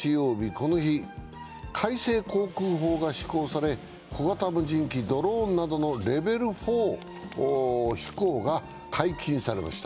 この日、改正航空法が施行され、小型無人機＝ドローンなどのレベル４飛行が解禁されました。